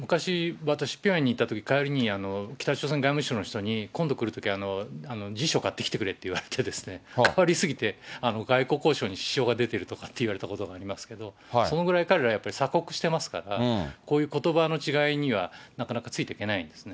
私、ピョンヤンに行ったとき、帰りに北朝鮮外務省の人に、今度来るとき、辞書買ってきてくれって言われてですね、変わり過ぎて、外交交渉に支障が出てるとかって言われたことありますけれども、そのぐらい、彼らはやっぱり鎖国してますから、こういうことばの違いにはなかなかついていけないんですね。